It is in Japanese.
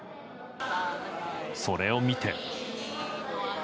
それを見て。